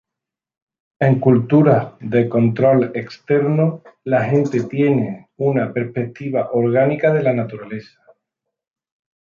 En culturas de control externo, la gente tiene una perspectiva orgánica de la naturaleza.